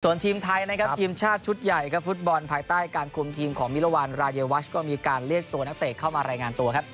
ส่วนทีมไทยนะครับทีมชาติชุดใหญ่ครับฟุตบอลภายใต้การคุมทีมของมิรวรรณรายวัชก็มีการเรียกตัวนักเตะเข้ามารายงานตัวครับ